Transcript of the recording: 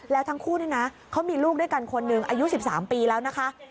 แล้วทั้งคู่นี่นะเขามีลูกด้วยกันคนหนึ่งอายุ๑๓ปีแล้วนะคะ